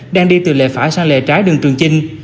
đang đi từ lề phải sang lề trái đường trường chinh